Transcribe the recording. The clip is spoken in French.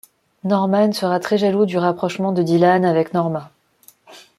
Norman sera très jaloux du rapprochement de Dylan avec Norma.